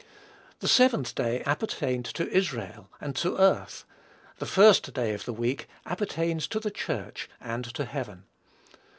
The seventh day appertained to Israel and to earth. The first day of the week appertains to the Church and to heaven.